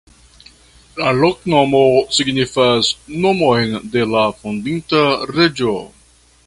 La loknomo signifas nomon de la fondinta reĝo.